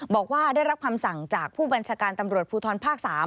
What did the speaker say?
บอกว่าได้รับคำสั่งจากผู้บัญชาการตำรวจภูทรภาค๓